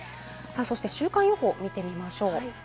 週間予報を見てみましょう。